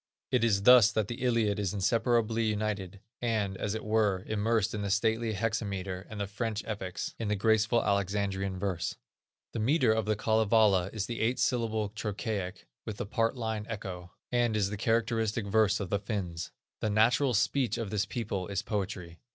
It is thus that the Iliad is inseparably united, and, as it were, immersed in the stately hexametre, and the French epics, in the graceful Alexandrine verse. The metre of the Kalevala is the "eight syllabled trochaic, with the part line echo," and is the characteristic verse of the Finns. The natural speech of this people is poetry.